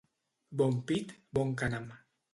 Bon pit, bon cànem.